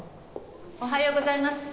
おはようございます。